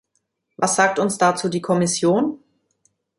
Was sagt uns dazu die Kommission?